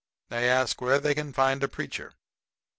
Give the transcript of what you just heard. They ask where they can find a preacher.